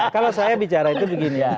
kalau saya bicara itu begini ya